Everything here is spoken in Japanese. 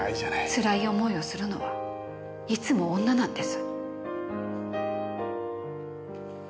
つらい思いをするのはいつも女なんです。